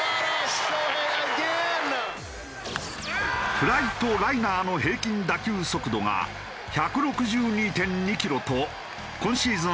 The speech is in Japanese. フライとライナーの平均打球速度が１６２．２キロと今シーズン